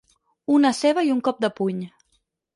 Una ceba i un cop de puny.